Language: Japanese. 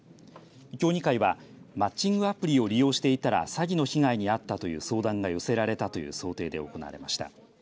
競技会はマッチングアプリを利用していたら詐欺の被害に遭ったという相談が寄せられたという想定で行われました。